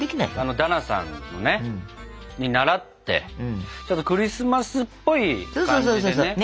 ダナさんにならってちょっとクリスマスっぽい感じでね。